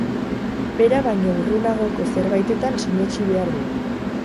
Bera baino urrunagoko zerbaitetan sinetsi behar du.